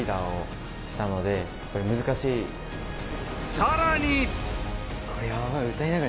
さらに。